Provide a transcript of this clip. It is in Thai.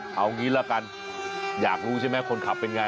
เอางี้ละกันอยากรู้ใช่ไหมคนขับเป็นไง